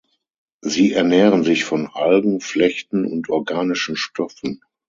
Sie ernähren sich von Algen, Flechten und organischen Stoffen.